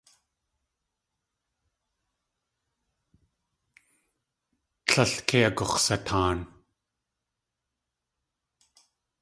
Tlél kei agux̲sataan.